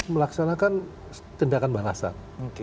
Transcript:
melaksanakan tindakan balasan